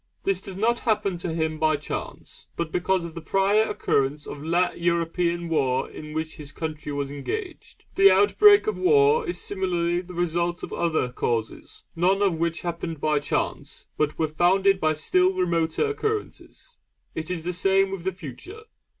This does not happen to him by chance, but because of the prior occurrence of la European war in which his country was engaged. The outbreak of war is similarly the result of other causes, none of which happened by chance, but were founded by still remoter occurrences. It is the same with the Future.